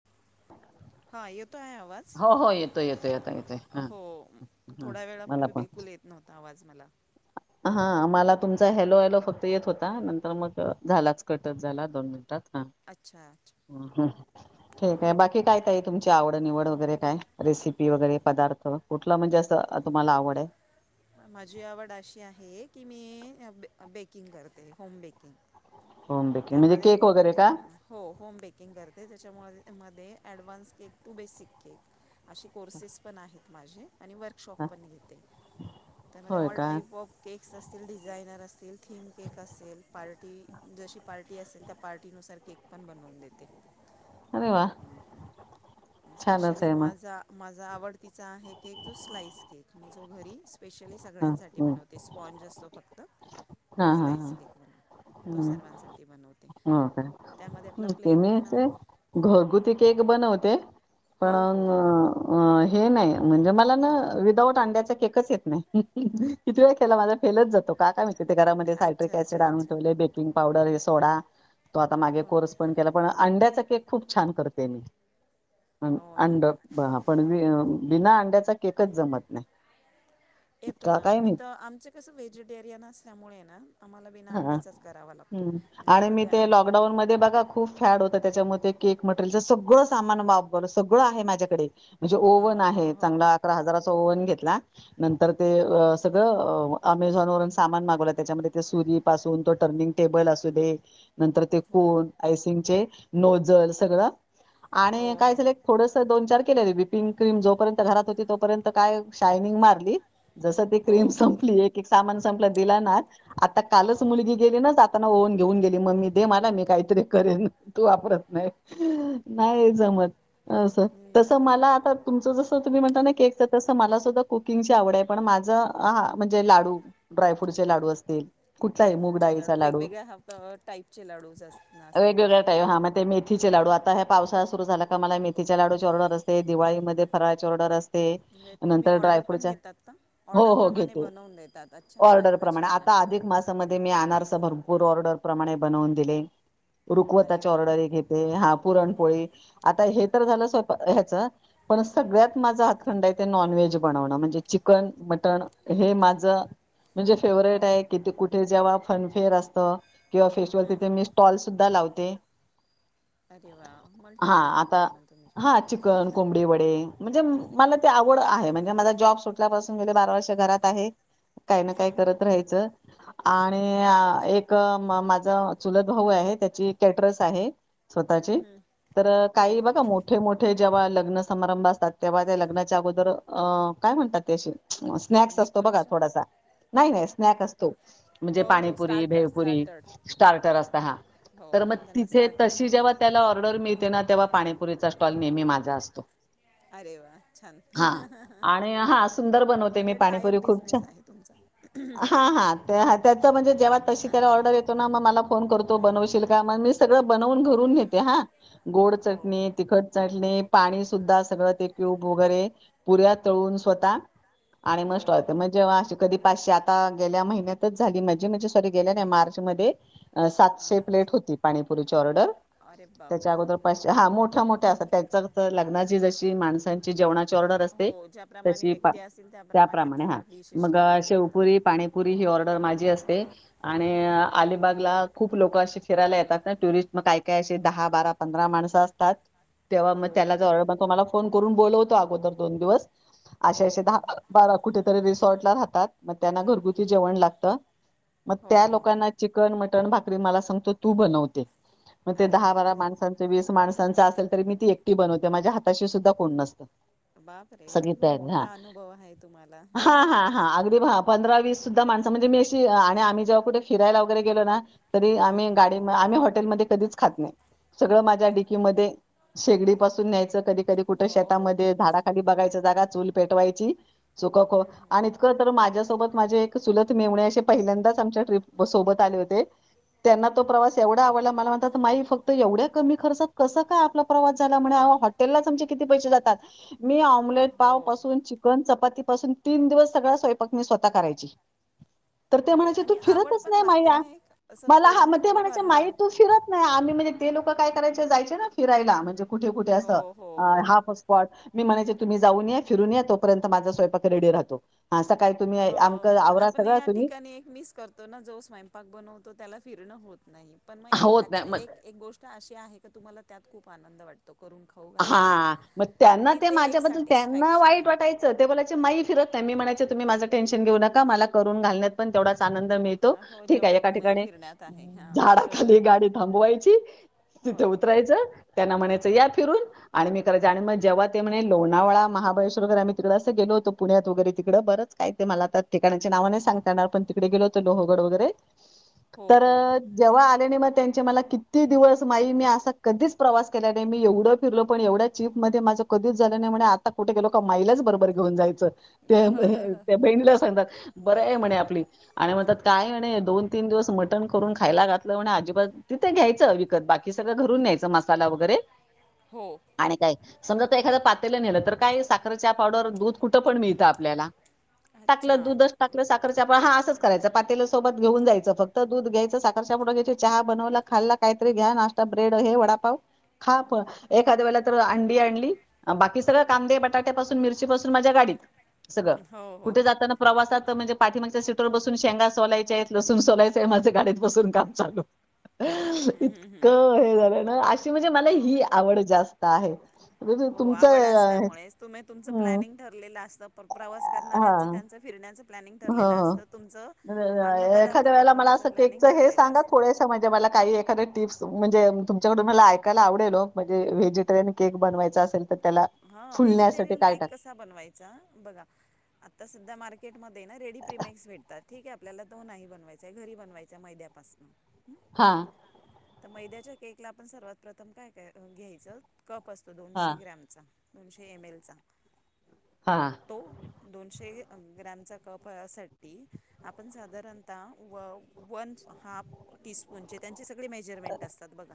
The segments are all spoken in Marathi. [inaudible] हा येतो आहे आवाज. हो हो येतोय येतोय आता येतोय हां हो हां थोड्या मला वेळापूर्वी बिलकुल येत नव्हता आवाज मला. हा आ मला तुमचा हॅलो हॅलो फक्त येत होता नंतर मग झालाच कटत झाला दोन मिनिटात हा. अच्छा! अच्छा! [inaudible] ठीक आहे बाकी काय काय तुमची आवड निवड वगैरे काय रेसिपी वगैरे पदार्थ कुठलं म्हणजे असं तुम्हाला आवड माझी आवड अशी आहे की मी बेकिंग करते होम बेकिंग होम बेकिंग त्याम्हा म्हणजे दैव केक वगैरे का काेकण हो होम बेकिंग करते त्याच्यामध्ये मध्ये advance cake to basic cake a courses पण आहेत माझे आणि व शॉप हां, पण घेते त्यामध्ये होय ऑल का टाईप ऑफ केक्स असतील डिझायनर असतील थीम केक असेल पार्टी जशी पार्टी असेल त्या पार्टीनुसार केक पण बनवून देते अरे वा ् छानच स्पेशली आहे मग माझा माझा आवडतीचा आहे केक जो स्लाईस केक मी जो घरी स्पेशली हां सगळ्यांसाठी हं. बनवतो ते स्पॉन्ज असतो फक्त आणि हां हां स्लाईस हां केक बन तो हं. सर्वांसाठी बनवते हो का त्यामध्ये आपला ते मी प्लेन असे घरगुती केक बनवते पण हो हो अ अ हे नाही म्हणजे मला ना विदाऊट अंड्याचा केकच येत नाही किती वे ख केला माझा फेलत जातो का म ति घरामध्ये अच्छा सायट्रिक असिड अच्छा आणून अच्छा ठेवले बेकिंग पावडर सोडा तो आता मागे हो कोर् पण केला पण अंड्याचा केक खूप छान करते. मी हो ना अंड पण बिना अंड्याचा केकच जमत नाही. येतो का ना काय मी माहित तर आमच कसं व्हेजिटेरियन असल्यामुळे ना. आम्हाला बिना हा अंड्याचाच करावा लागतो ह् आणि मी घरामध्ये ते अ- लॉकडाऊन मध्ये बघा खूप. फॅड होत त्याच्यामध्ये केक मटेरियलच सगळं सामान वापवलं सगळं आहे माझ्याकडे. म्हणजे ओव्हन आहे हो चांगला अकरा हजाराचा ओव्हन घेतला नंतर ते सगळं अमेझॉन वून सामान मागवला त्याच्यामध्ये ते सुरीप असून तो टर्निंग टेबल असू दे नंतर ते हो कोन आयसिंगचे नोझल सगळं आणि हो हो काय हो हो झालंय थोडं दोन चार केले िंक कम जोपर्यंत घरात होती तोपर्यंत काय शायनिंग मारली जस ती क्रीम हो संपली सं दि आता कालच हो हो मुलगी गेली ना ता ओऊन घेऊन गेली मम्मी दे मला मी काहीतरी करेन तू वापरत नाही नाही जमत असं तस नाही मला आता तुमचं जसं तुम्ही म्हणता ना केकच तसं मला सुद्धा कुकिंगची आवड आहे पण माझं हा म्हणजे लाडू ड्रायफ्रूटचे लाडू असतील कुठलाही मूग ड्रायफ्रूटचे डाळीचा लाडू वेगवेगळ्या टाईपचे लाडू अस असतील वेगवेगळ्या तसे टाईप हा मग ते मेथीचे लाडू आता ह्या पावसाळा सुरू झाला का मला मेथीच्या लाडू ची ऑर्डर असते दिवाळीमध्ये फराळची ऑर्डर असते म्हणजे तुम्ही नंतर ऑर्डर पण ड्रायफ्रूट घेतात का ऑर्डरप्रमाणे घ बनवून देतात अच्छा ऑर्डर अरे वा प्र आ छान आहे मामध्ये मी आसा भरपूर ऑर्डर प्र बनवून दिले अरे रुखवताची वा ऑर्डर ते हा पुरणपोळी आता हे तर झालं स्वय ह्याच पण सगळ्यात माझा हातखंड आहे ते नॉनव्हेज बनवणं म्हणजे चिकन मटण हे माझं म्हणजे हो फेवर्हेट आहे कि कुठे जेव्हा फनफेअर असतं किंवा फेस्टिवल हम्म. तिथे मिस ्टॉल सुद्धा लावते अरे वा मल्टी हा आता टॅलेंटेड आहे मग तुम्ही हा चिकन कोंबडी वडे म्हणजे मला ते आवड आहे म्हणजे माझा जॉब सुटल्यापासून गेले बारा वर्ष घरात आहे काय ना काय करत राहायचं आणि एक माझ चुलत भाऊ आहे त्याची कॅटरस आहे स्वतःची हम्म. तर हो काही हो बघा मोठ मोठे मोठे जेव्हा लग्न समारंभ असतात तेव्हा त्या लग्नाच्या अगोदर अ काय म्हणतात त्याशी स्नॅक्स असतो बघा डेकोरेशन थोडासा नाही नाही स्नॅक् असत म्हणजे हो हो panipuri starter bhelpuri starter starter असता हा हो तर मग आपण त्यांना तिथे स्टार्टर तशी म्हणतो जेव्हा त्याला ऑर्डर मिळते ना तेव्हा पाणीपुरीचा स्टॉल नेहमी माझा असतो अरे वा छान हा आणि हा सुंदर बनवते. मी म्हणजे टायअप पाणीपुरी खूप छान बिझनेस आहे तुमचा हा हा त्याच म्हणजे जेव्हा तशी त्याला ऑर्डर येत तो मग मला फोन करतो बनवशील का? म मी सगळं बनवून घरून न्हेते हा गोड हो चटणी तिखट चटनी पाणी सुद्धा सगळं, ते क्यूब वगैरे पुऱ्या तळून स्वतः आणि म हो स्टॉल ठेवते म् जेव्हा अशी कधी? पाचशे आता गेल्या महिन्यात तेच झाली माझी म्हंजे सॉरी गेल्या नाही, मार्च मधे सातशे प्लेट अच्छा होती पाणीपुरीची ऑर्डर अरे त्याच्या बापरे अगोदर पाचशे हा, मोठ्या मोठ्या असतात. त्याच्यात लग्नाची जशी माणसांची ती जेवणाची ऑर्डर असते, हो ज्याप्रमाणे तशी व्यक्ती असतील त्याप्रमाणे त्याप्रमाने हा आपल्याला डिशेस मग ठेवावे लागतात शेवपुरी, हां पानी पुरी ही ऑर्डर माझी असते आणि अलिबागला खूप लोकं अशी फिरायला येतात, ना टुरिस्ट मग काय काय असे दहा, बारा, पंधरा माणसं असतात. तेव्हा मग हो त्याला हो जवळ मग, तो मला फोन करून बोलवतो अगोदर दोन दिवस हो असे असे हो दहा हो बारा कुठेतरी रिसॉर्ट ला राहतात, मग त्यांना घरगुती जेवण लागतं. मग हो त्या हो लोकांना चिकन, मटण, भाकरी मला सांगतो तू बनव ते. मग ते अरे दहा बारा बापरे माणसांचं, वीस माणसांच असेल, तरी मी ते एकटी बनवते, माझ्या हाताशी सुद्धा कोण नसतं. बापरे सगली बरोबर तयारी हा मोठा अनुभव आहे तुम्हाला हा हा हा अगदी भा पंधरा वीस सुद्धा माणसं म्हणजे मी अशी आणि आम्ही जेव्हा कुठे फिरायला? वगैरे गेलो ना तरी हम्म. आम्ही गाडी म आम्ही हॉटेलमध्ये कधीच खात नाही. सगळं माझ्या डिग्गी मधे शेगडी पासून न्यायचं, कधी कधी कुठ हो हो हो शेतामध्ये झाडाखाली बघायच, जागा चूल पेटवायची सुख खो आणि इतकं तर माझ्यासोबत माझे चूलत मेव्हणे, असे पहिल्यांदाच आमच्या ट्रीप सोबत आले होते. त्यांना तो प्रवास एवढा आवडला मला म्हणतात, माई फक्त एवढ्या कमी खर्चात कस काय आपला प्रवास झाला म्हने आओ? हॉटेल लाच आमचे किती पैसे जातात? आमलेट पाव हो पासून, चिकन चपाती पासून, तीन दिवस सगळ स्वयंपाक मी स्वतः करायची तर ते अरे म्हणायचे तू आणि आवड फिरतच पण नाही, माई लागते हा ना एक असं मला हा करून मग ते खाऊ म्हणायचे माई घालणं तू फिरत नाही आम्ही म्हणजे ते लोक काय करायचे, जायचे ना फिरायला म्हणजे कुठे कुठे असं हो हो हो हाफ असत पॉट, मी म्हणायचे तुम्ही जाऊन या फिरून या तोपर्यंत माझा स्वयंपाक रेडी राहतो, हा सकाळी तुम्ही हा आम्ही हो पण आपण या ठिकाणी एक मिस करतो, ना जो स्वयंपाक बनवतो त्याला फिरणं होत नाही. पण मग एक होत नाही आछा मग एक एक गोष्ट अशी आहे की, तुम्हाला त्यात खूप आनंद वाटतो करून खा हा मग त्यांना ते एक माझ्याबद्दल त्यांना सॅटिस्फॅक्शन वाईट आहे वाटायचं. च ते बोलायच माई फीरत नाही. मी म्हणायंचे तुम्ही माझं टेनशन घेऊ नका, मला करून घालण्यात पण तेवढाच आनंद मिळतो. हो ठीक आहे जेवढा एका तुम्ही ठिकाणी फिरण्यात आहे हां बरोबर झाडाखाली गाडी थांबवायची हो तिथे उतरायचं, त्यांना म्हणायचं या फिरून आणि मी करायच आणि मग जेव्हा ते म्हणे, लोणावळा, महाबळेश्वर वगैर आम्ही तिकडे अस गेलो होतो पुण्यात वगैरे तिकडे बरंच काय ते मला त्या ठिकाणाची नाव नाही, सांगता येणार पण तिकडे गेलो होतो लोहगड वगैरे हो तर हो हो जेव्हा आल्याने मग त्यांचे मला किती दिवस माई? मी असा कधीच प्रवास केल्या नाही मी एवढं फिरलो पण एवढ्या चिप मध्ये माझं कधीच झालं नाही म्हने, आता कुठे गेलो की? माईलाच बरोबर घेऊन जायचं. त्या त्या बहिणीला सांगतात. बरं आहे म्हणे, आपली आणि म्हणतात काय म्हणे दोन तीन दिवस मटण करून खायला घातलं, म्हणे अजिबात तिथं घ्यायचं विकत बाकी सगळं घरून न्यायचं मसाला वगैरे हो. आणि काय? समजा आता एखादं पातेलं नेलं, तर काय साखर पावडर दूध कुठं पण मिळतं आपल्याला अच्छा टाकलं दुधच, टाकलं सा खरच्या पा हा असं करायच पातेल सोबत घेऊन जायचं, फक्त दूध घ्यायच, साखर च्यापुड घ्या चहा बनवला खाल्ला काहीतरी घ्या नाश्ता ब्रेड हे वडापाव खा प एखाद्या वेळेला तर अंडी आणली, बाकी सगळं कांदे बटाट्यापासून मिरची पासून माझ्या गाडीत सगळं, हो हो कुठे जाताना? प्रवासात तर म्हणजे पाठीमागच्या सीटरवर बसून शेंगा सोलायच्या आहेत, लसूून सोलायचंय माझ्या गाडीत बसून काम चालू. हम्म, हम्म, हम्म, इतकं हे झालं ना, अशी म्हणजे मला हम्म. हो ही आवड जास्त आहे म्हणजे तु- हो तुमचं आवड अ, असल्यामुळेच तुम्ही तुमचं हं. प्लॅनिंग ठरलेलं असत प्रवास करणाऱ्यांचं हां, त्यांच फिरण्याच प्लॅनिंग ठरलेलं हं. असतं तुमच अन्न पदार्थ एखाद्या बनवण्याच प्लॅनिंग ठरलेलं असत णे मला काही एा्या टिप्स म्हणजे तुमच्याकडून मला ऐकायला आवडेल व्हेजिटेरियन केक बनवायचां असेल तर त्याला हा फुलण्यासाठी व्हेजिटेरियन काय केक टाक कस बनवायचा बगा आता सध्या मार्केटमध्ये ना रेडी प्रीमीक्स भेटतात ठीकय आपल्याला तो नाही बनवायचा आहे घरी बनवायचा आहे मैद्यापासनं हा तर मैद्याच्या केकला आपण सर्वात प्रथम काय काय घ्यायचं कप असतो दोनशे हां, ग्रॅमचा दोनशे ईमेलचा हा तो दोनशे ग्रॅमचा कपसाटी आपण साधारणतः ह टीपून ते मेजरमेंट असतात बगा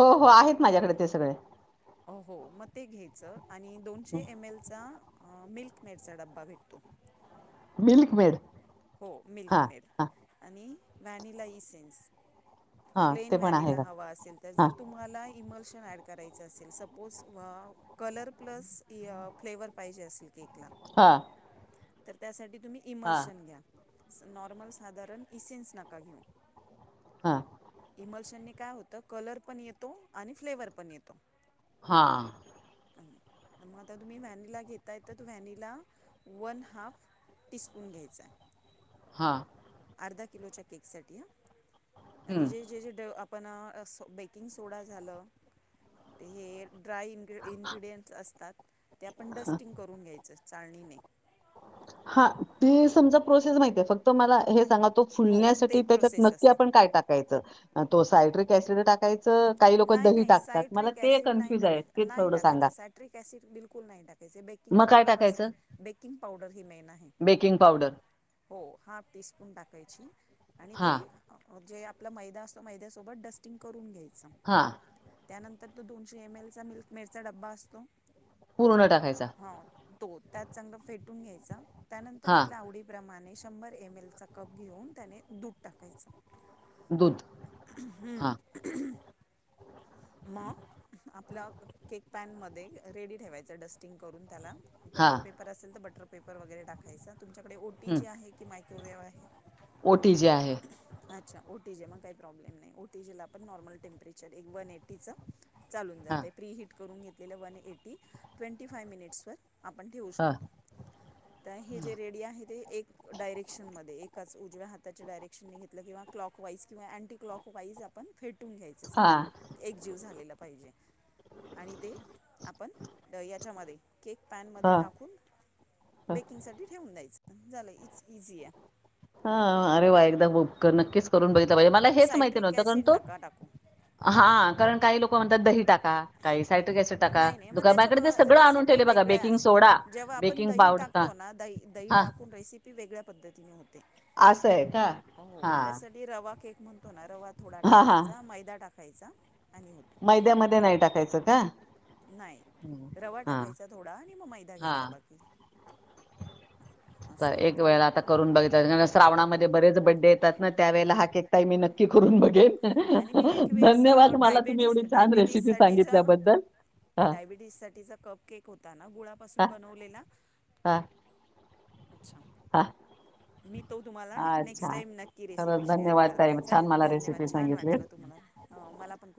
हो हो आहेत माझ्याकडे ते सगळे हो हो मग ते घ्यायचं आणि दोनशे एम एलचा मिल्कमेडचा डब्बा भेटतो मिल्क मेड हो हां, मिल्कमेड हां, आणि व्हॅनिला इसेन्स हां. प्लेन ते पण आहे वॅनीला का? हवा असेल तर हां, जर तुम्हाला इमर्शन ॲड करायचं असेल सपोज वा कलर प्लस फ्लेवर पाहिजे असे केकला हा तर त्यासाठी तुम्ही इमल्शन घ्या नॉर्मल साधारण इसेन्स नका घेऊ हा इमोशनने काय होतं कलर पण येतो आणि फ्लेवर पण येतो हा आणि तर मग आता तुम्ही व्हॅनिला घेताय तर त व्हॅनिला वन हाफ टिसपून घ्यायचा हां अर्धा किलोच्या केक साटी ह हं. आणि जे जे जे पण आ अस बेकिंग सोडा झालं ते हे ड्राय इनग्री इन्ग्रीडियंट्स असतात ते आपण डस्टिंग करून घ्यायचं चाळनिने हा ते समजा प्रोसेस माहितीय फक्त मला हे सांगा हो ते फुलण्यासाठी एक त्याच्यात प्रोसेस नक्की असते आपण काय टाकायच तो सायट्रिक ऍसिड टाकाय नाइ नाइ सायट्रिक ऍसिड नाइ कन्फ्यूज आहे. टाकायच ते नाइ थोडं टाकायच सांगा. सायट्रिक ऍसिड बिलकुल नाइ टाकाय त्याचे बेकिंग मग काय पावडर असते टाकायचं? बेकिंग पावडर ही मेन आहे बेकिंग पावडर हो हाफ टी स्पून टाकायची आणि ते हां, जे आपला मैदा असतो मैद्यासोबत डस्टिंग करून घ्यायच हा त्यानंतर ते दोनशे एम एलचा मिल्कमेडचा डब्बा असतो पूर्ण टाकायचा. हा तो त्यात चांगल फेटून घ्यायचा त्यानंतर हां, आपल्या आवडी प्रमाणे शंभर एम एल चा कप घेऊन त्याने दूध टाकायचं दूद हम्म [unintelligible] आपल्या केक पॅनमदे रेडी ठेवायचं डस्टिंग करून त्याला बटर हां. पेपर असेल तर बटर पेपर वगेरे टाकायचा तुमच्याकडे ओ हं. तीजे आहे की मायक्रोवेव आहे ओटी जी आहे. अच्छा ओटीजे मग काइ प्रॉब्लेम नाइ ओटीजीला आपण नॉर्मल टेम्परेचर वन एटीच चालून हां, जाते प्री हिट करून घेतलेलं वन एटी ट्वेंटी फाइव मिनिट्सवर आपण ठेवू हां, शकतो तर हे जे रेडी आहे ते एक डायरेक्शनमध्ये एकच उजव्या हाताचा डयरेक्शनने घेतलं किंवा क्लॉक वाइस किंवा अँटिक्लॉक वाइस आ पण फेटून घ्यायचं चांगलं. हां, एक जीव झालेला पाहिजे आणि ते आपण याच्यामध्ये केक पॅनमध्ये हां, टाकून हां. बेकिंगसाठी ठेवून द्यायचं झालं इच इझी आहे. हा अरे वा एकदा भोपकर नक्कीच करून बघितलं पाहिजे मला हो हेच माहिती सायट्रिक नव्हतं कारण ॲसिड तो नका टाकू हा कारण काही लोकं म्हणतात दही टाका, काही सायट्रिक ऍसिड टाका दुकाबा माझेकडे ते सगळं आणून ते ठेवलंय बघा वेगळ्या बेकिंग सोडा, असतात जेव्हा आपण बेकिंग दही पावडर हां, टाकतो ना दइ दही हां टाकून रेसि पी वेगळ्या पद्धतीने होते, असं आहे का? हो हां, त्यासाठी रवा केक म्हणतो ना रवा थोडा हां, हां. टाकायचा, मैदा टाकायचा. आणि होतो मैद्यामध्ये नाही टाकायचं का? नाही हं, रवा हां, टाकायचा थोडा आणि मग मैदा घ्यायचा हां. बाकी तर असा एक वेळेला आता करून बघितला कारण हो हो श्रावणामध्ये हो बरेच बड्डे येतात. त्यावेला हा केक ताई मी नक्की करून हो हो आणि मी एक बघेन वेळेस अ, धन्यवाद! मला तुम्ही डायबेटीस एवढी छान रेसिपी सांगितल्याबद्दल. हां, डायबिटीस साठीचा कप केक होता ना गुळापासून बनवलेला. आ अच्छा मी तो तुम्हाला नेक्स्ट अच्छा. टाइम नक्की रेसिपी खरंच शेअर धन्यवाद ताई करते छान चालेल मला धन्यवाद रेसिपी छान सांगितलीत. वाटलं तुम्हाला हो, मला पण खूप